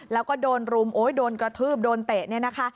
แล้วก็โดนกระทืบโดนเตะ